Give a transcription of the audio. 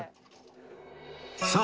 さあ